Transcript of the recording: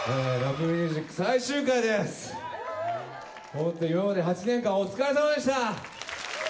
ホント今まで８年間お疲れさまでした。